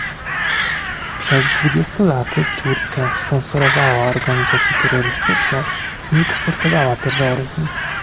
Przed dwudziestu laty Turcja sponsorowała organizacje terrorystyczne i eksportowała terroryzm